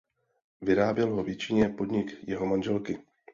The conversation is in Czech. Vyráběl ho v Jičíně podnik jeho manželky.